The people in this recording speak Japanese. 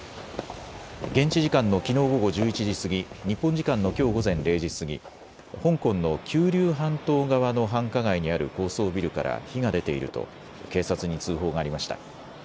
現地時間のきのう午後１１時過ぎ、日本時間のきょう午前０時過ぎ、香港の九龍半島側の繁華街にある高層ビルから火が出ていると警察に通報がありました。